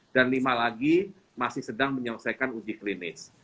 dan lima lagi masih sedang menyelesaikan uji klinis